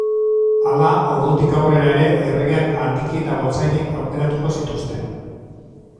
Hala, ordutik aurrera ere, erregeak handiki eta gotzainek aukeratuko zituzten.